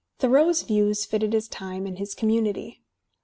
Thoreau's views fitted his time and his community.